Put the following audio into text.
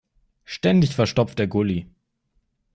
Ständig verstopft der Gully.